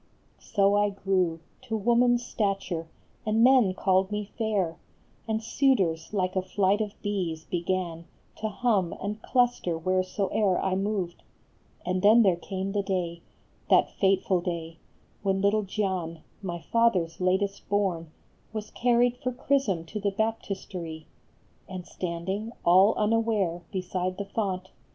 So I grew To woman s stature, and men called me fair, And suitors, like a flight of bees, began To hum and cluster wheresoe er I moved ; And then there came the day, that fateful day, When little Gian, my father s latest born, Was carried for chrism to the baptistery ; And standing, all unaware, beside the font, A FLORENTINE JULIET.